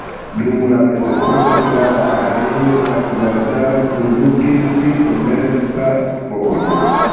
Dum la mezepoko tra la areo de la kvartalo kondukis komerca vojo.